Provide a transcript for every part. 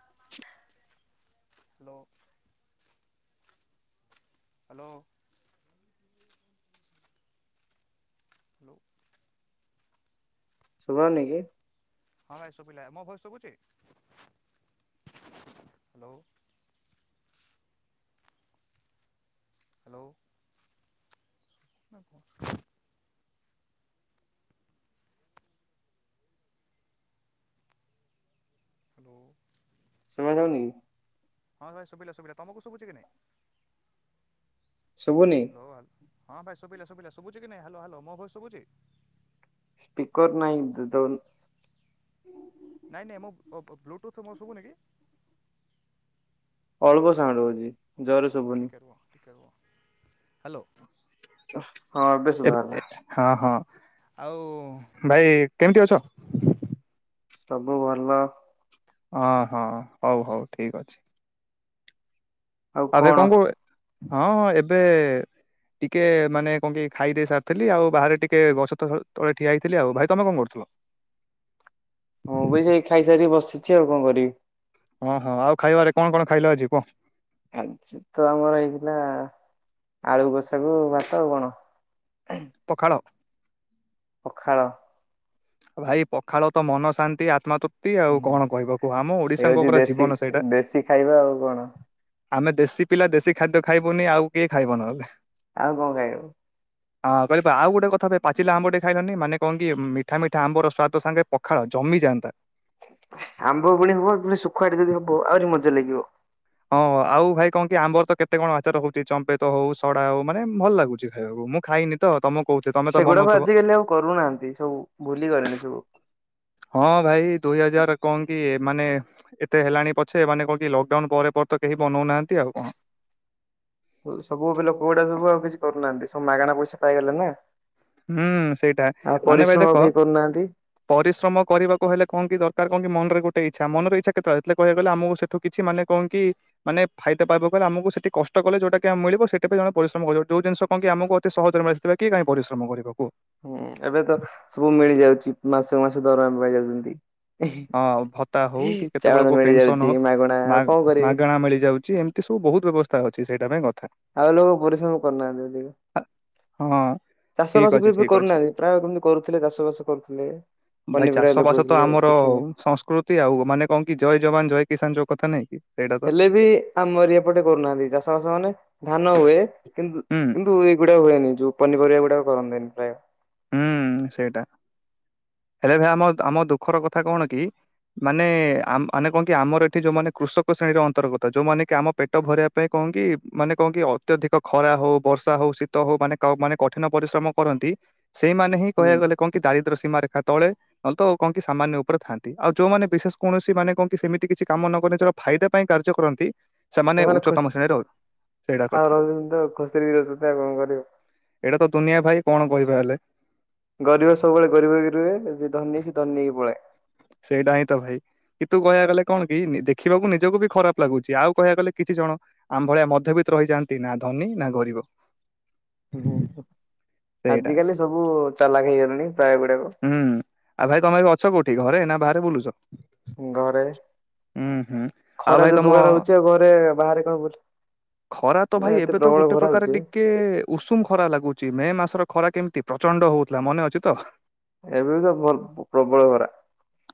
[inaudible] Hello. Hello. Hello. ଶୁଭାଯାଉନି। ହଁ ଭାଇ ଶୁଭିଲା ମୋ ଭଏସ୍ ଶୁଭୁଛି। ହାଲୋ। [inaudible] [inaudible] ଶୁଣାଯାଉନି। ହଁ ଭାଇ ଶୁଭିଲା ଶୁଭିଲା ତମକୁ ଶୁଭୁଛି କି ନାଇ। ଶୁଭୁନି। [unintelligible] ହଁ ଭାଇ ଶୁଭିଲା ଶୁଭିଲା ଶୁଭୁଛି କି ନାହି ହାଲୋ ହାଲୋ ମୋ ଭଏସ ଶୁଭୁଛି। ସ୍ପିକର ନାହିଁ [inaudible] ନାଇଁ ନାଇଁ ମୋ ବ୍ଲୁଟୁଥ୍ ମୋ ସବୁନି କି। ଅଲପ ସାଉଣ୍ଡ ହଉଛି ଜୋରେ ଶୁଭୁନି। [unintelligible] ହଁ ଏବେ ଶୁଭାଗଲା। ହଁ ହଁ ଆଉ ଭାଇ କେମିତି ଅଛ? ସବୁ ଭଲ। ହଁ ହଁ ହଉ ହଉ ଠିକ୍ ଅଛି। ଆଉ ଭାଈ କଣ କହୁଥିଲେ ହଁ ହଁ ଏବେ ଟିକେ ମାନେ କଣ କି ଖାଇ ଦେଇ ସାରିଥିଲି ଆଉ ବାହାରେ ଟିକେ ଗଛ ତଳେ ଠିଆ ହେଇଥିଲି ଆଉ ଭାଇ ତମେ କଣ କରୁଥିଲ। [inaudible] ମୁଁ ସେଇ ଖାଇସାରିକି ବସିଛି ଆଉ। କଣ କରିବି? ହଁ ହଁ ଆଉ ଖାଇବାରେ କଣ କଣ ଖାଇଲ ଅଛି କହ? ଆଜି ତ ଆମର ହେଇଥିଲା। ଆଳୁ କୋଷାକୁ ଭାତ ଆଉ କଣ? ପଖାଳ। ପଖାଳ। ଭାଇ ପଖାଳ ତ ମନ ଶାନ୍ତି ଆତ୍ମା ତୃ ପ୍ତି ଆଉ କଣ କହିବ କୁହ। ଆମ ଏ ଓଡିଶାଙ୍କ ହଉଛି ପରା ଦେଶୀ ଜୀବନ ସେଇଟା। ଦେଶୀ ଖାଇବା ଆଉ କଣ ଆମେ ଦେଶି ପିଲା ଦେଶି ଖାଦ୍ୟ ଖାଇବୁନି, ଆଉ କିଏ ଖାଇବ ନହେଲେ? ଆଉ କଣ ଖାଇବୁ? ହଁ କହିଲି ପା ଆଉ ଗୋଟେ କଥା। ପାଚିଲା ଆମ୍ୱ ଟେ ଖାଇଲନି ମାନେ କଣ କି ମିଠା ମିଠା ମିଠା ଆମ୍ବର ସ୍ୱାଦ ସାଙ୍ଗେ ପଖାଳ ଜମି ଯାଆନ୍ତା। ଆମ୍ବ ପୁଣି ହବ। ପୁଣି ଶୁଖୁଆ ଧୀରେ ଧୀରେ ହବ ଆହୁରି ମଜା ଲାଗିବ। ହଁ ଆଉ ଭାଇ କଣ କି ଆମ୍ବ ତ କେତେ କଣ ଆଚାର ହଉଛି ଚମ୍ପେତ ହଉ ସଡା ହଉ ମାନେ ଭଲ ଲାଗୁଛି ଖାଇବାକୁ ମୁଁ ଖାଇନି ତୋ। ତମକୁ କହୁଥିଲି ତମେ ତ ସେଗୁଡାକ ବନଉଥିବ। ଆଜିିକାଲି ଆଉ କରୁନାହାନ୍ତି। ସବୁ ଭୁଲି କଲେଣି ସବୁ। ହଁ ଭାଇ ଦୁଇ ହଜାର କଣ କି ମାନେ ଏତେ ହେଲାଣି ପଛେ। ଏମାନେ କଣ କି ଲକଡାଉନ ପରେ ପରେ ତ କେହି ବନଉନାହାନ୍ତି। ଆଉ କଣ? ଓ ସବୁ ବେଲେ ପୁଅଟା ସବୁ ଆଉ କିଛି କରୁନାହାନ୍ତି। ସବୁ ମାଗଣା ପଇସା ପାଇଗଲେ ନା। ହୁଁ ସେଇଟା। ଆଉ ମାନେ ଭାଇ ପରିଶ୍ରମ ଦେଖ ଆଉ କେହି କରୁନାହାନ୍ତି। ପରିଶ୍ରମ କରିବାକୁ ହେଲେ କଣ କି ଦରକାର, କଣ କି ମନରେ ଗୋଟେ ଇଚ୍ଛା। ମନରେ ଇଚ୍ଛା କେତୋଳେ ଆ ହେଥିଲାଗି କହିବାକୁ ଗଲେ ଆମୁକୁ ସେ ତୁ କିଛି ମାନେ କଁ କି ମାନେ ଫାଇଦା ପାଇବାକୁ ହେଲେ ଆମୁକୁ ସେଠି କଷ୍ଟ କଲେ ଯୋଉଟାକି ଆଉ ମିିଳିବ ସେଇଟା ବି ଜଣେ ପରିଶ୍ରମ କରିଥିବ। ଯୋଉ ଜିନିଷ କଁ କି ଆମୁକୁ ଅତି ସହଜରେ ମିଳେ ହେଲାକି ତାଙ୍କେ ପରିଶ୍ରମ କରିବ କୁହ? ହୁଁ ଏବେ ତ ସବୁ ମିଳିଯାଉଚି। ମାସୁକୁ ମାସ ଦରମା ପାଇ ଯାଉଚନ୍ତି। ହଁ ଭତ୍ତା ହଉ କି ଚାଉଳ କେତବେଳେ କୋଉ ପେନସନ୍ ମିଳିଯାଉଛି ହଉ ମାଗଣା ଆଉ ମା କଣ କରିବେ ମାଗଣା ମିଳିଯାଉଚି ଏମ୍ ତି ସବୁ ବହୁତ ବ୍ୟବସ୍ଥା ଅଛି। ସେଇଟା ପାଇଁ କଥା। ଆଉ ଲୋକ ପରିଶ୍ରମ କରୁନାହାନ୍ତି ଦେ ହଁ ଚାଷ ଠିକ ବାସ ବି ଅଛି ଏବେ ଠିକ ଅଛି କରୁନାହାନ୍ତି। ପ୍ରାୟ ଯେମିତି କରୁଥିଲେ ଚାଷ ବାସ କରୁଥିଲେ। ଭାଇ ପନିପରିବା ଚାଷ ବାସ ତ ଲଗଉଥୁଲେ ଆମର କିଛି ନି ସଂସ୍କୃତି ଆଉ ମାନେ କଁ କି ଜୟ ଯବାନ ଜୟ କିଷାନ ଯୋଉ କଥା ନାଇଁ କି? ସେଇଟା ତ ହେଲେ ବି ଆମରି ଏପଟେ କରୁନାହାନ୍ତି ଚାଷ ବାସ ମାନେ ଧାନ ହୁଏ। କିନ୍ତୁ ହୁଁ କିନ୍ତୁ ଏଗୁଡ଼ା ହୁଏନି ଯୋଉ ପନିପରିବା ଗୁଡ଼ାକ କରନ୍ତିନି ପ୍ରାୟ। ହୁଁ ସେଇଟା ହେଲେ ଭାଇ ଆମ ଆମ ଦୁଃଖର କଥା କଣ କି ମାନେ ଆ ମାନେ କଣ କି ଆମର ଏଠି ଯୋଉମାନେ କୃଷକ ଶ୍ରେଣୀର ଅନ୍ତର୍ଗତ ଯୋଉମାନେ କି ଆମ ପେଟ ଭରିବା ପାଇଁ କଁ କି ମାନେ କଁ କି ଅତ୍ୟଧିକ ଖରା ହଉ, ବର୍ଷା ହଉ, ଶୀତ ହଉ, ମାନେ କାଓ ମାନେ କଠିନ ପରିଶ୍ରମ କରନ୍ତି ସେଇମାନେ ହିଁ ହୁଁ କହିବାକୁ ଗଲେ କଁ କି ଦାରିଦ୍ର୍ୟ ସୀମାରେଖା ତଳେ ହଁ ତ କଁ କି ସାମାନ୍ୟ ଉପରେ ଥାଆନ୍ତି। ଆଉ ଯୋଉମାନେ ବିଶେଷ କୌଣସି ମାନେ କଁ କି ସେମିତି କିଛି କାମ ନ କନେ ଚଳ ଫାଇଦା ପାଇଁ କାର୍ଯ୍ୟ କରନ୍ତି। ସେମାନେ ଖୁସ୍ ଉଚ୍ଚତମ ଶ୍ରେଣୀର ସେଇଟା ଆଉ କଥା ରହୁଚନ୍ତି ତ ଖୁସିରେ ବି ରହୁଚନ୍ତି ଆଉ କଁ କରିବୁ? ଏଇଟା ତ ଦୁନିଆ ଭାଇ କଣ କହିବା ହେଲେ? ଗରିବ ସବୁବେଳେ ଗରିବ ହେଇକି ରୁହେ। ଯିଏ ଧନୀ ସିଏ ଧନି ହେଇକି ପଳାଏ। ସେଇଟା ହିଁ ତ ଭାଇ। କିତୁ କହିବାକୁ ଗଲେ କଣ କି ନି ଦେଖିବାକୁ ନିଜକୁ ବି ଖରାପ ଲାଗୁଚି। ଆଉ କହିବାକୁ ଗଲେ କିଛି ଜଣ ଆମ୍ ଭଳିଆ ମଧ୍ୟବିତ୍ ରହିଯାଆନ୍ତି ନାଁ ଧନୀ ନାଁ ଗରିବ। ହୁଁ ହୁଁ ସେଇଟା ଆଜିକାଲି ସବୁ ଚାଲାକ ହୋଇଗଲେଣି ପ୍ରାୟ ଗୁଡ଼ାକ। ହୁଁ ଆଉ ଭାଇ ତମେ ଏବେ ଅଛ କୋଉଠି ଘରେ ନା ବାହାରେ ବୁଲୁଚ? ଘରେ ଆଉ ଖରା ଭାଇ ଯୋଉ ତମ ପ୍ରକାର ହଉଚି ଆଉ ଘରେ ବାହାରେ କଁ ବୁଲି ଖରା ତ ଭାଇ ଏବେ ତ ଗୋଟେ ପ୍ରକାର ହଉଛି ଟିକେ ଉଷୁମ ଖରା ଲାଗୁଚି। ମେ ମାସର ଖରା କେମତି ପ୍ରଚଣ୍ଡ ହଉଥୁଲା ମନେ ଅଛି ତ? ଏବେ ବି ତ ଭଲ୍ ପ୍ରବଳ ଖରା।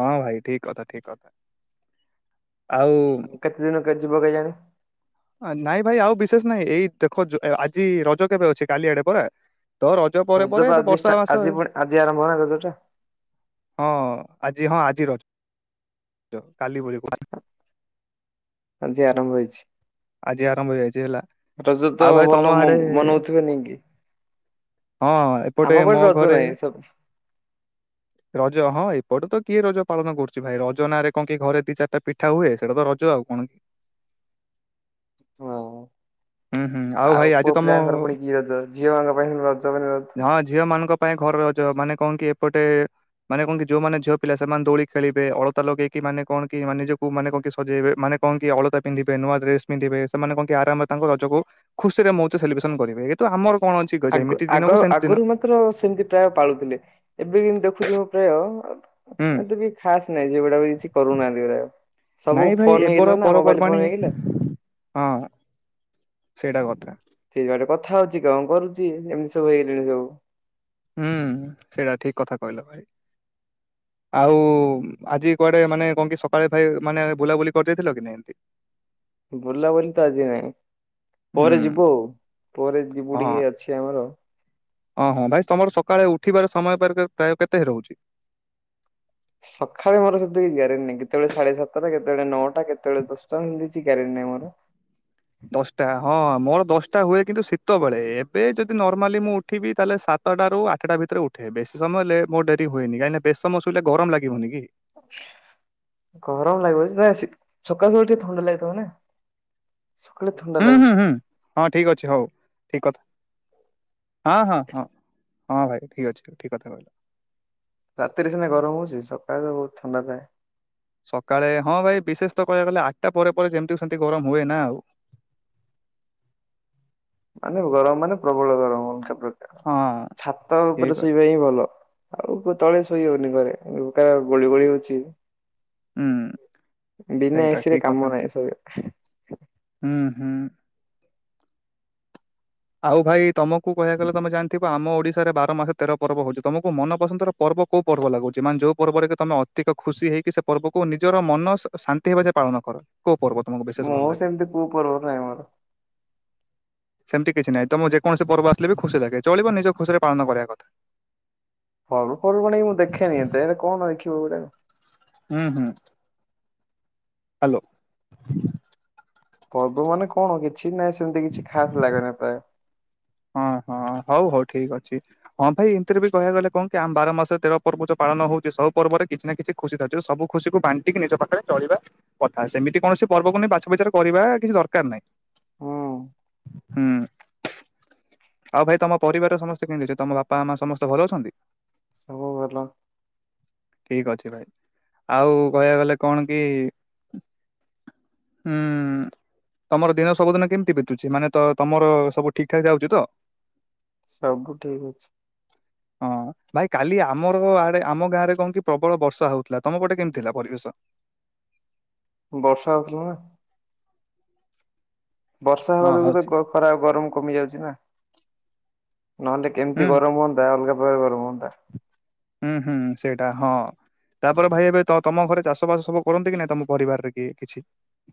ହଁ ଭାଇ ଠିକ୍ କଥା ଠିକ୍ କଥା। ଆଉ ହେ ଦିନ କେ ଯିବ କେଜାଣି? ଆ ନାଇଁ ଭାଇ ଆଉ ବିଶେଷ ନାଇଁ ଏଇ ଦେଖ ଜ ଏ ଆଜି ରଜ କେବେ ଅଛି କାଲି ଆଡ଼େ ପରା ତ ର ରଜ ପା ଆଜି ଷ୍ଟା ଆଜି ପୁଣି ଆଜି ଆରମ୍ଭ ହେଲା ରଜଟା। ହଁ ଆଜି ହଁ ଆଜି ରଜ ଜ କାଲି ବଲିବୁ। ଆଜି ଆରମ୍ଭ ହେଇଛି। ଆଜି ଆରମ୍ଭ ହେଇଯାଇଛି ହେଲା ରଜ ତ ଆଉ ଭାଇ ତମ ଭଲ ମ ଆଡେ ମନଉଥୁବେ ନେଇଁ କି? ହଁ ଆମ ଏପଟେ ପଟେ ମୋ ରଜ ଘରେ ନାହିଁ ସବୁ ରଜ ହଁ ଏପଟେ ତ କିଏ ରଜ ପାଳନ କରୁଚି ଭାଇ ରଜ ନାଁରେ କଁ କି ଘରେ ଦି ଚାରିଟା ପିଠା ହୁଏ ସେଟା ତ ରଜ ଆଉ କଣ? ହଁ। ହୁଁ ହୁଁ ଆଉ ଭାଇ ଆଜି ପୁଅ ତମ ପିଲାଙ୍କର ପୁଣି କି ରଜ ଝିଅମାନଙ୍କ ପାଇଁ ହିଁ ରଜ ମାନେ ରଜ। ଝିଅମାନଙ୍କ ପାଇଁ ଘର ରଜ ମାନେ କଁ କି ଏପଟେ ମାନେ କଣ କି ଯୋଉମାନେ ଝିଅ ପିଲା ସେମାନେ ଦୋଳି ଖେଳିବେ ଅଳତା ଲଗେଇକି ମାନେ କଣ କି ମାନେ ନିଜକୁ ମାନେ କ କି ସଜେଇବେ ମାନେ କଣ କି ଅଳତା ପିନ୍ଧିବେ ନୂଆ ଡ୍ରେସ ପିନ୍ଧିବେ ସେମାନେ କଣ କି ଆରାମ ତାଙ୍କ ରଜକୁ ଖୁସିରେ ମଉ ଛି ସେଲିବ୍ରେସନ କରିବେ ଏତ ଆମର କଣ ଅଛି ଗ ଯେମିତି ଦିନକୁ ସେମି ଦିନ। ତ୍ର ସେମତି ପ୍ରାୟ ପାଳୁଥିଲେ ଏବେ କିନ୍ ଦେଖୁଛି ମୁଁ ପ୍ରାୟ ହୁଁ ଏତେ ବି ଖାସ ନାହିଁ ଝିଅଗୁଡା ବି କିଛି କରୁନାହାନ୍ତି ପ୍ରାୟ। ସବୁ ନାଇଁ ଭାଇ ଫୋନ ଏବର ହେଇଗଲା ନା ମୋବାଇଲ ପର୍ବପର୍ବାଣୀ ଫୋନ ହେଇଗଲା। ହଁ ସେଇଟା କଥା। ଯିଏ ଯୁଆଡେ କଥା ହଉଛି କଣ କରୁଛି ଏ ଏମିତି ସବୁ ହେଇଗଲିଣି ସବୁ। ହୁଁ ସେଇଟା ଠିକ କଥା କହିଲ ଭାଇ। ଆଉ ଆଜି କୁଆଡେ ମାନେ କଂ କି ସକାଳେ ଭାଇ ମାନେ ବୁଲାବୁଲି କରି ଯାଇଥିଲ କି ନାଇ ଏମତି। ବୁଲାବୁଲି ତ ଆଜି ନାଇଁ ହୁଁ ପରେ ଯିବୁ ଆଉ ପରେ ଯିବୁ ଟିକେ ଅଛି ଆମର ଅଁ ହଁ ଭାଇ ତମର ସକାଳେ ଉଠିବାର ସମୟ ପର ପା ପ୍ରାୟ କେତେ ହେ ରହୁଛି। ସଖାଳେ ମୋର ସେତିକି କିଛି ଗ୍ୟାରେଣ୍ଟ ନାହିଁ କେତେବେଳେ ସାଢେ ସାତଟା କେତେବେଳେ ନଅଟା କେତେବେଳେ ଦଶଟା ସେମିତି କିଛି ଗ୍ୟାରେଣ୍ଟି ନାହିଁ ମୋର। ଦଶଟା ହଁ ମୋର ଦଶଟା ହୁଏ କିନ୍ତୁ ଶୀତବେେଳେ ଏବେ ଯଦି ନର୍ମାଲି ମୁଁ ଉଠିବି ତାହେଲେ ସାତ ସାତଟା ରୁ ଆଠଟା ଭିତରେ ଉଠେ ବେଶୀ ସମୟ ଲେ ମୋ ଡେରି ହୁଏନି କାଇଁ ନା ବେଶୀ ସମୟ ଶୋଇଲେ ଗରମ ଲାଗିବନି କି? ଗରମ ଲାଗୁବ ପ୍ରାୟ ସି ସକାଳୁ ସକାଳୁ ଟିକେ ଥଣ୍ଡା ଲାଗିଥିବ ନାଇଁ। ସକାଳେ ଥଣ୍ଡା ହୁଁ ହୁଁ ଲାଗୁଚି। ହୁଁ ହଁ ଠିକ ଅଛି ହଉ ଠିକ କ ହଁ ହଁ ହଁ ହଁ ଭାଇ ଠିକ୍ ଅଛି ଠିକ କଥା କହିଲ। ରାତିରେ ସିନା ଗରମ ହଉଚି ସକାଳେ ଥଣ୍ଡା ଥାଏ। ସକାଳେ ହଁ ଭାଇ ବିଶେଷ ତ କହିବାକୁ ଗଲେ ଆଠଟା ପରେ ପରେ ଯେମିତି ସେମିତି ଗରମ ହୁଏ ନା ଆଉ। ମାନେ ଗରମ ମାନେ ପ୍ରବଳ ଗରମ ଅଲଗା ପ୍ରକାର ହଁ ଛାତ ଉପରେ ଠିକ ଅଛି। ଶୋଇବା ହିଁ ଭଲ। ଆଉ କୁ ତଳେ ଶୋଇ ହଉନି ଘରେ ନୁ କା ଗୁଳି ଗୁଳି ହଉଚି। ହୁଁ ବିନା ସେଇଟା ଏସିରେ ଠିକ କଥା କାମ ନାହିଁ ଶୋଇ ହୁଁ ହୁଁ। ଆଉ ଭାଇ ତମକୁ କହିବାକୁ ଗଲେ ତମେ ଜାଣିଥିଵ୍ ବ ଆମ ଓଡିଶାରେ ବାର ମାସରେ ତେର ପର୍ବ ହଉଛି ତମକୁ ମନ ପସନ୍ଦର ପର୍ବ କୋଉ ପର୍ବ ଲାଗୁଛି ମାନେ ଯୋଉ ପର୍ବରେ କି ତମେ ଅ ଅଧିକ ଖୁସି ହେଇକି ସେ ପର୍ବକୁ ନିଜର ମନ ଶ ଶାନ୍ତି ହବାଯାଏଁ ପାଳନ କର। କୋଉ ପର୍ବ ତମକୁ ବିଶେଷ ମୁଁ ଭଲ ଲାଗେ? ସେମିତି କୋଉ ପର୍ବ ନାହିଁ ମୋର। ସେମିତି କିଛି ନାଇଁ ତମ ଯେକୌଣସି ପର୍ବ ଆସିଲେ ବି ଖୁସି ଲାଗେ ଚଳିବ ନିଜ ଖୁସିରେ ପାଳନ କରିବା କଥା। ପର୍ବପର୍ବାଣୀ କୁ ମୁଁ ଦେଖେନି ଏତେ ଏରା କଣ ଦେଖିବୁ ଏଉଡ଼ାକ ହୁଁ ହୁଁ। ହାଲୋ। ପର୍ବ ମାନେ କଂ କିଛି ନାଏ ସେମତି କିଛି ଖାସ ଲାଗେନି ପ୍ରାୟ। ହଁ ହଁ ହଉ ହଉ ଠିକ୍ ଅଛି। ହଁ ଭାଇ ଏମତିରେ ବି କହିବାକୁ ଗଲେ କଂ କି ଆମ ବାର ମାସରେ ତେର ପର୍ବ ଯୋଉ ପାଳନ ହଉଚି ସବ ପର୍ବରେ କିଛି ନା କିଛି ଖୁସି ଥା ଯୋଉ ସବୁ ଖୁସିକୁ ବାଣ୍ଟିକି ନିଜ ପାଖରେ ଚଳିବା କଥା ସେମିତି କୌଣସି ପର୍ବକୁ ନେଇ ବାଛ ବିଚାର କରିବା କିଛି ଦରକାର ନାହିଁ। ହୁଁ ହୁଁ। ଆଉ ଭାଇ ତମ ପରିବାରେ ସମସ୍ତେ କେମିତି ଅଛନ୍ତି ତମ ବାପା ମା ସମସ୍ତେ ଭଲ ଅଛନ୍ତି। ମୁ ଭଲ ଠିକ୍ ଅଛି ଭାଇ ଆଉ କହିବାକୁ ଗଲେ କଣ କି ହୁଁ। ତମର ଦେହ ସବୁଦିନ କେମିତି ବିତୁଚି ମାନେ ତ ତମର ସବୁ ଠିକ୍ ଠାକ୍ ଯାଉଚି ତ? ସବୁ ଠିକ୍ ଅଛି। ହଁ। ଭାଇ କାଲି ଆମର ଆଡେ ଆମ ଗାଁ ରେ କଣ କି ପ୍ରବଳ ବର୍ଷା ହଉଥିଲା। ତମ ପଟେ କେମିତି ଥିଲା ପରିବେଶ? ବର୍ଷା ହଉଥିଲା ନା। ବର୍ଷା ହେବା ହଁ ଯୋଙ୍ଗୁ ହଉଛି ତ ଖରା ଗରମ କମି ଯାଉଚି ନା ନହେଲେ କେମିତି ହୁଁ ଗରମ ହୁଅନ୍ତା। ତା ଅଲଗା ପ୍ରକାର ଗରମ ହୁଅନ୍ତା। ହୁଁ ହୁଁ ସେଇଟା ହଁ। ତାପରେ ଭାଇ ଏବେ ତ ତମ ଘରେ ଚାଷ ବାସ ସବୁ କରନ୍ତି କି ନାଇଁ ତମ ପରିବାରରେ କେଇ କିଛି?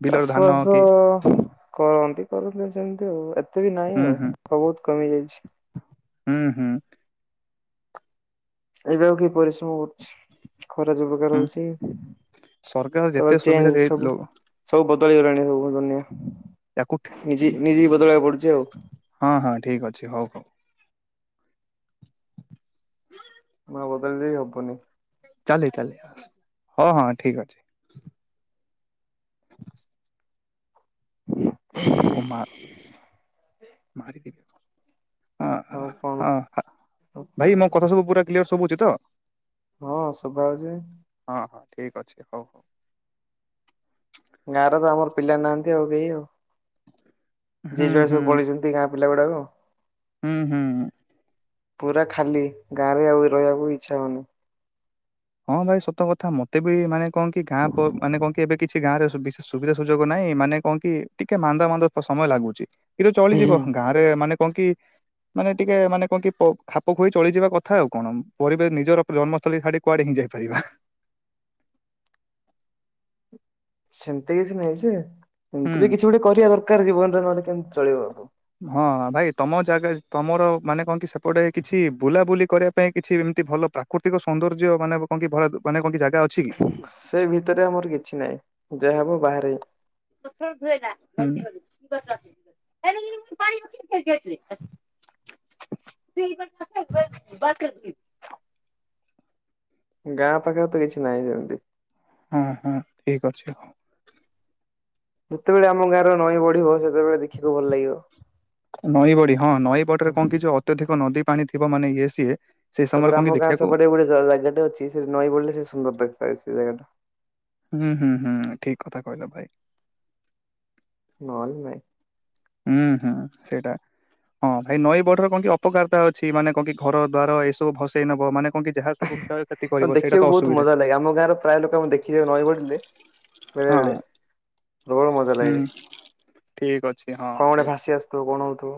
ବିଲର ଧାନ ଚାଷବାସ କି କରନ୍ତି କରନ୍ତି ସେମତି ଆଉ ଏତେ ବି ନାହିଁ ହୁଁ ଆଉ ହୁଁ ବହୁତ କମି ଯାଇଛି। ହୁଁ ହୁଁ। ଏବେ ଆଉ କିଏ ପରିଶ୍ରମ କରୁଛି। ଖରା ଯୋଉ ପ୍ରକାର ହୁଁ ହଉଡ଼ି। ସରକାର ତ ଯେତେ ସୁବିଧା ଚେଞ୍ଜ ଦେଇ ସବୁ ଲୋ ସବୁ ବଦଳିଗଲାଣି ସବୁ ଦୁନିଆ। ୟାକୁ ଠେ- ନିଜେ ନିଜେ ବଦଳବାକୁ ପଡୁଚି ଆଉ। ହଁ ହଁ ଠିକ୍ ଅଛି ହଉ ହଉ। ନା ବଦଳ ଦେଇ ହବନି। ଚାଲି ଚାଲି ଆସ୍ ହଁ ହଁ ଠିକ ଅଛି। ତାକୁ ମାର୍ ମାରିଦେବି। ହଁ ଆଉ କଣ ହଁ ହଁ ଭାଇ ମୋ କଥା ସବୁ ପୁରା କ୍ଲିୟର ସବୁଚି ତ? ହଁ ଶୋଭା ଉଛି। ହଁ ହଁ ଠିକ୍ ଅଛି ହଉ। ଗାଁରେ ତ ଆମର ପିଲା ନାହାନ୍ତି ଆଉ କେହି ଆଉ ଯିଏ ହୁଁ ଜୁଆଡେ ହୁଁ ସବୁ ପଳେଇଚନ୍ତି ଗାଁ ପିଲା ଗୁଡାକ। ହୁଁ ହୁଁ। ପୁରା ଖାଲି ଗାଁ ରେ ଆଉ ରହିବାକୁ ଇଚ୍ଛା ହଉନି। ହଁ ଭାଇ ସତ କଥା ମତେ ବି ମାନେ କଣକି ଗାଁ ପ ମାନେ କଣକି ଏବେ କିଛି ଗାଁରେ ସୁ ବିଷେସ ସୁବିଧା ସୁଯୋଗ ନାହିଁ ମାନେ କଣ କି ଟିକେ ମାନ୍ଦା ମାନ୍ଦା ସମୟ ଲାଗୁଚି। କିନ୍ତୁ ଚଳିଯିବ ଗାଁରେ ମାନେ କଅଁ କି ମାନେ ଟିକେ ମାନେ କଣ କି ପ ଖାପ ଖୁଆଇ ଚଳିଯିବା କଥା ଆଉ କଣ ପରେ ବେ ନିଜର ଜନ୍ମସ୍ଥଳୀ ଛାଡିକି କୁଆଡେ ହିଁ ଯାଇପାରିବା। ସେମିତି କିଛି ନାହିଁ ଯେ ହୁଁ ଏମିତି ବି କିଛି ଗୋଟେ କରିବା ଦରକାର। ଜୀବନରେ ନହେଲେ କେମିତି ଚଳିବ ଆଉ। ହଁ ଭାଇ ତମ ଜାଗା ତମର ମାନେ କଣକି ସେପଟେ କିଛି ବୁଲାବୁଲି କରିବା ପାଇଁ କିଛି ଏମିତି ଭଲ ପ୍ରା ପ୍ରାକୃତିକ ସୌନ୍ଦର୍ଯ୍ୟ ମାନେ କଣକି ଭଲ ମାନେ କଣକି ଜାଗା ଅଛି କି? ସେ ଭିତରେ ଆମର କିଛି ନାହିଁ। ଯାହାହବ ବାହାରେ। ଟୋଟାଲ କେହି ନାହାଁନ୍ତି। ହୁଁ ଟୋଟାଲେ ହେତ୍ ପାଣି [unintelligible] ସେ ବ [unintelligible] ଗାଁ ପାଖରେ ତ କିଛି ନାହିଁ ସେମିତି। ହୁଁ ହୁଁ ଠିକ ଅଛି ଆଉ। ଯେତେବେଳେ ଆମ ଗାଁର ନଈ ବଢିବ ସେତେବେଳେ ଦେଖିବାକୁ ଭଲ ଲାଗିବ। ନଈ ବଡି ହଁ ନଈ ବଡିରେ କଣ କି ଯ ଅତ୍ୟଧିକ ନଦୀ ପାଣି ଥିବ ମାନେ ଇଏ ସିଏ ସେଇ ସମୟରେ ତାପରେ କଣ କି ଆମ ଗାଁ ଦେଖିବାକୁ ସେପଟେ ଗୋଟେ ଜାଗା ଅଛି ସେ ନଈ ବଢିଲ ସେ ସୁନ୍ଦର ଦେଖାଏ ସେ ଜାଗା ଟା। ହୁଁ ହୁଁ ହୁଁ ଠିକ କଥା କହିଲ ଭାଇ। ନହେଲେ ନାଇଁ। ହୁଁ ହୁଁ ସେଇଟା। ହଁ ଭାଇ ନଈ ବଢ଼ିର କଣ ଟିକେ ଅପକାରତା ଅଛି ମାନେ କଣକି ଘର ଦ୍ୱାର ଏସବୁ ଭସେଇ ନବ ମାନେ କଣ କି ଯାହା ହଁ ସବୁ କ୍ଷୟକ୍ଷତି କରିବ ସେଇଟା ଦେଖିବାକୁ ତ ବହୁତ ଅସୁବିଧା ମଜା ଲାଗେ ଆମ ଗାଁର ପ୍ରାୟ ଲୋକ ଆମେ ଦେଖିଜାଉ ନଈ ବଢିଲେ ବେଳେବେେଳେ ହଁ ହୁଁ ଠିକ ଅଛି ହଁ ସେଇଟା। ତୁ କଣ ତୁ